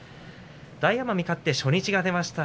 大奄美勝って初日が出ました。